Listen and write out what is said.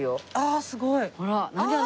あすごい！